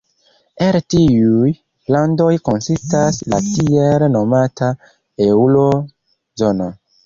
El tiuj landoj konsistas la tiel nomata "Eŭro-zono".